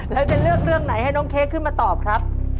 แล้วจะเลือกเรื่องไหนให้น้องเค้กขึ้นมาตอบครับ